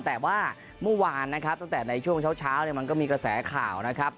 แต่ว่าเมื่อวานนะครับตั้งแต่ในช่วงเช้าเนี่ยมันก็มีกระแสข่าวนะครับ